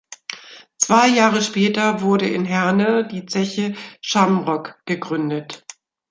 Zwei Jahre später wurde in Herne die Zeche Shamrock gegründet.